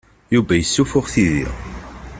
Yuba yessuffuɣ tidi.